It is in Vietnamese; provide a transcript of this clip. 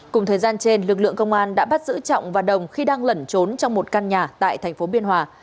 cùng thời gian trên lực lượng công an đã bắt giữ trọng và đồng khi đang lẩn trốn trong một căn nhà tại thành phố biên hòa